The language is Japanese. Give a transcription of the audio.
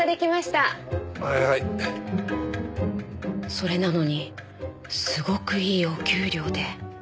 それなのにすごくいいお給料で。